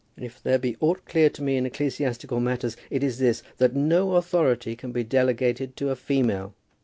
If there be aught clear to me in ecclesiastical matters, it is this, that no authority can be delegated to a female.